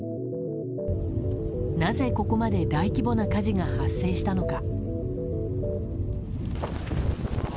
なぜここまで大規模な火事が発生したのか。